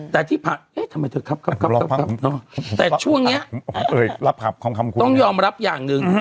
แต่ที่ผ่านเอ๊ะทำไมเธอครับครับครับครับแต่ช่วงนี้ต้องยอมรับอย่างหนึ่ง